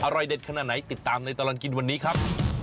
อร่อยเด็ดขนาดไหนติดตามในตลอดกินวันนี้ครับ